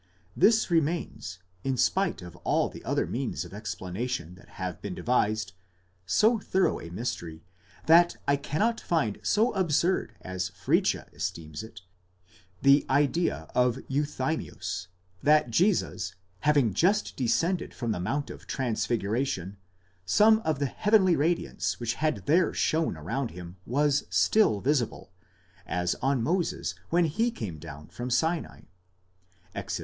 This remains, in spite of all the other means of explanation that have been devised, so thorough a mystery, that I cannot find so absurd as Fritzsche esteems it, the idea of Euthymius, that Jesus having just descended from the Mount of Transfiguration, some of the heavenly radiance which had there shone around him was still visible, as on Moses when he came down from Sinai (Exod.